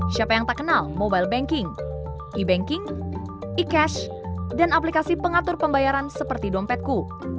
siapa yang tak kenal mobile banking e banking e cash dan aplikasi pengatur pembayaran seperti dompetku